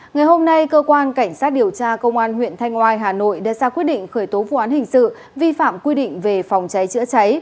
ngày hôm nay cơ quan cảnh sát điều tra công an huyện thanh oai hà nội đã ra quyết định khởi tố vụ án hình sự vi phạm quy định về phòng cháy chữa cháy